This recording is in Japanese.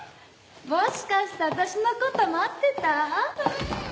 もしかして私のこと待ってた？